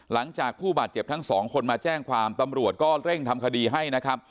หลังจากผู้บาดเจ็บทั้งสองคนมาแจ้งความตำรวจก็เร่งทำคดีให้นะครับ